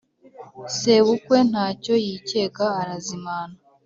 sebukwe, ntacyo yikeka: arazimana.